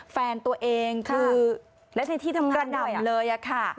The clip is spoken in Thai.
แฟนตัวเองคือและในที่ทำงานด้วยกระดำเลยอ่ะค่ะ